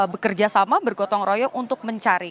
bekerja sama bergotong royong untuk mencari